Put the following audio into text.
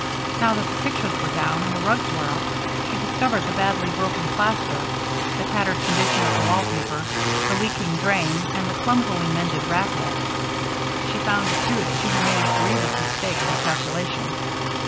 Now that the pictures were down and the rugs were up, she discovered the badly broken plaster, the tattered condition of the wall paper, the leaking drain, and the clumsily mended rat holes. She found, too, that she had made a grievous mistake in her calculations.